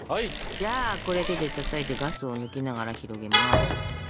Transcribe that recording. じゃあこれ手でたたいてガスを抜きながら広げます。